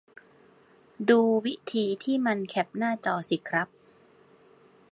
ดูวิธีที่มันแคปหน้าจอสิครับ